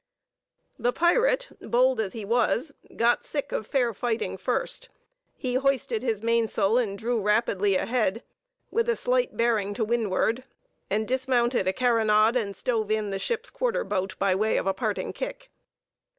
The pirate, bold as he was, got sick of fair fighting first; he hoisted his mainsail and drew rapidly ahead, with a slight bearing to windward, and dismounted a carronade and stove in the ship's quarter boat, by way of a parting kick.